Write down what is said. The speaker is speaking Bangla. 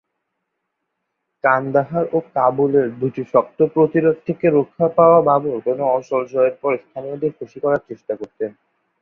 কান্দাহার ও কাবুলের দুটি শক্ত প্রতিরোধ থেকে রক্ষা পাওয়া বাবর কোন অঞ্চল জয়ের পর স্থানীয়দের খুশি করার চেষ্টা করতেন।